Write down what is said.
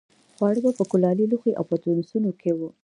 خواړه به په کلالي لوښو او پتنوسونو کې وو.